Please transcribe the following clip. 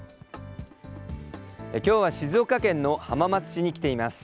きょうは静岡県の浜松市に来ています。